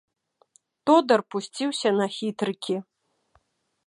Тодар пусціўся на хітрыкі.